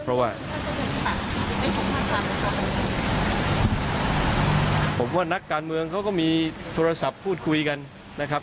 เพราะว่าผมว่านักการเมืองเขาก็มีโทรศัพท์พูดคุยกันนะครับ